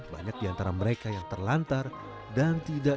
banyak diantara mereka yang terlalu banyak yang membutuhkan